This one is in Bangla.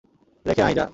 রেখে আই যা।